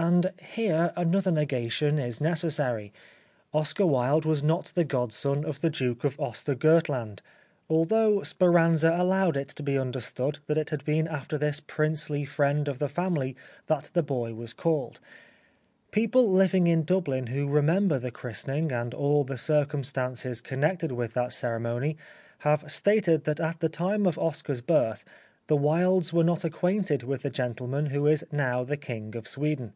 And here another negation is necessary. Oscar Wilde was not the god son of the Duke of 83 The Life of Oscar Wilde Ostergotland, although Speranza allowed it to be understood that it had been after this princely friend of the family that the boy was called. People living in Dublin who remember the christening and all the circumstances connected with that ceremony have stated that at the time of Oscar's birth the Wildes were not acquainted with the gentleman who is now the King of Sweden.